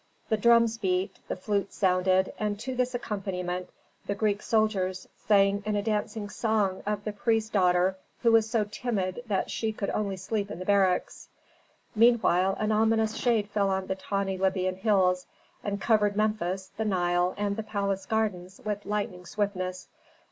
The drums beat, the flutes sounded, and to this accompaniment the Greek soldiers sang a dancing song of the priest's daughter who was so timid that she could sleep only in the barracks. Meanwhile an ominous shade fell on the tawny Libyan hills, and covered Memphis, the Nile, and the palace gardens with lightning swiftness.